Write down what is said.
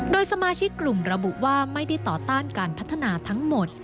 โดยสมาชิกกลุ่มระบุว่าไม่ได้ต่อต้านการพัฒนาทั้งหมด